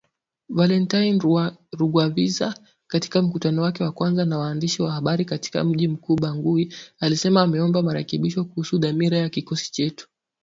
Valentine Rugwabiza katika mkutano wake wa kwanza na waandishi wa habari katika mji mkuu Bangui alisema ameomba marekebisho kuhusu dhamira ya kikosi chetu